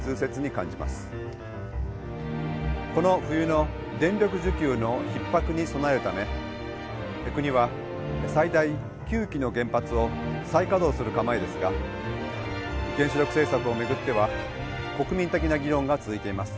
この冬の電力需給のひっ迫に備えるため国は最大９機の原発を再稼働する構えですが原子力政策を巡っては国民的な議論が続いています。